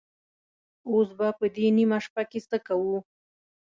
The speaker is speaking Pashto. اوس به په دې نيمه شپه کې څه کوو؟